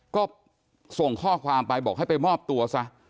ก็ส่งข้อความไปบอกให้ไปมอบตัวซะ